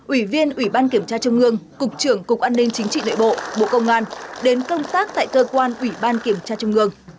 ủy viên ủy ban kiểm tra trung ương cục trưởng cục an ninh chính trị nội bộ bộ công an đến công tác tại cơ quan ủy ban kiểm tra trung ương